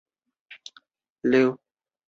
同时全作中的可攻略角色也均为女性。